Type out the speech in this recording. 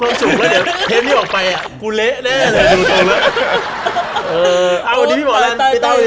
เราแซวกันเล่นอยู่ในตรงนี้